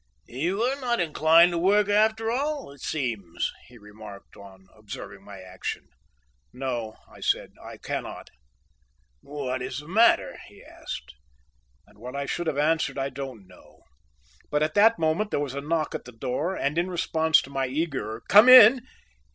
"You are not inclined to work after all, it seems," he remarked, on observing my action. "No," I said, "I cannot." "What is the matter?" he asked, and what I should have answered I don't know, for at that moment there was a knock at the door and in response to my eager, "Come in!"